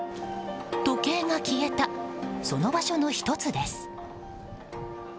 時計が消えたその場所の１つです。